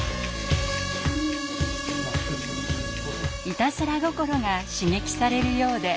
いたずら心が刺激されるようで。